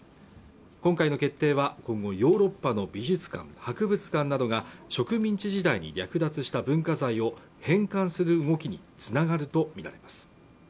今回の決定は今後ヨーロッパの美術館博物館などが植民地時代に略奪した文化財を返還する動きに繋がると見られます